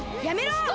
やめろ！